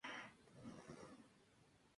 Fue maestra de Octavio Paz.